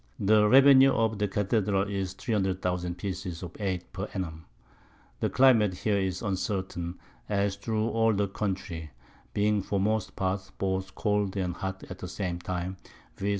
The Revenue of the Cathedral is 300000 Pieces of Eight per Annum. The Climate here is uncertain, as through all the Country, being for most part both cold and hot at the same time, _viz.